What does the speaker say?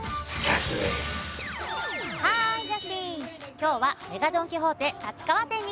今日はＭＥＧＡドン・キホーテ立川店に来ているの。